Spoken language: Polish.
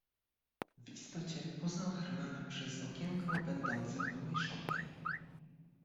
"W istocie poznał Hermana przez okienko będące w małej szopie."